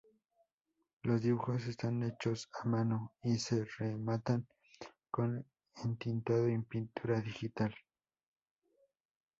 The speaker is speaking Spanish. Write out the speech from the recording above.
Los dibujos están hechos a mano y se rematan con entintado y pintura digital.